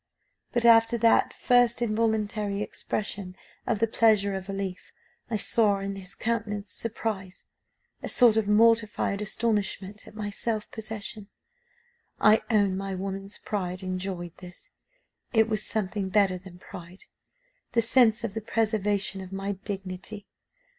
But after that first involuntary expression of the pleasure of relief, I saw in his countenance surprise, a sort of mortified astonishment at my self possession. I own my woman's pride enjoyed this; it was something better than pride the sense of the preservation of my dignity.